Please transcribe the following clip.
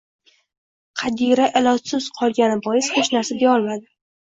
Qadira ilojsiz qolgani bois hech narsa deyolmadi